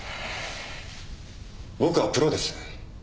僕はプロです。